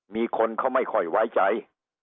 มีคนเขาไม่ค่อยไว้ใจ